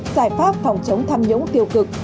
giải pháp phòng chống tham nhũng tiêu cực